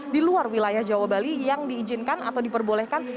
di luar wilayah jawa bali yang diizinkan atau diperbolehkan